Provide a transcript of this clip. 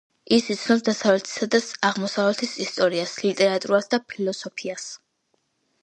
ის იცნობს დასავლეთისა და აღმოსავლეთის ისტორიას, ლიტერატურას და ფილოსოფიას.